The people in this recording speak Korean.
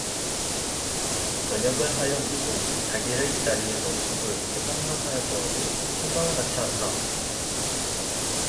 저녁을 하여 놓고 자기를 기다리는 영숙을 생각만 하여 보아도 천사와 같이 아름다왔다.